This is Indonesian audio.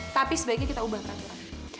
tapi sebaiknya kita ubah peraturan